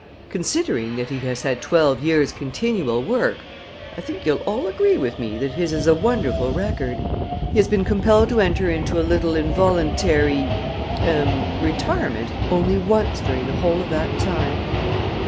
"Considering that he has had twelve years' continual work, I think you'll all agree with me that his is a wonderful record. He has been compelled to enter into a little involuntary er retirement only once during the whole of that time."